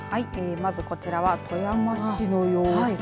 まずこちらは富山市の様子。